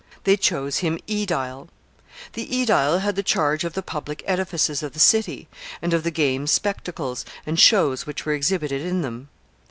They chose him aedile. The aedile had the charge of the public edifices of the city, and of the games spectacles, and shows which were exhibited in them.